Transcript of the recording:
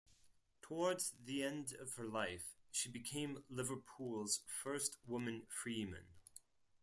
Towards the end of her life she became Liverpool's first woman freeman.